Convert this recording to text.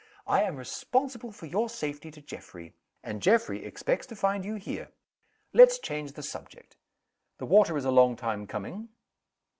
I am responsible for your safety to Geoffrey; and Geoffrey expects to find you here. Let's change the subject. The water is a long time coming.